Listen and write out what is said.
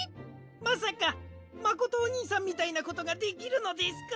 まさかまことおにいさんみたいなことができるのですか？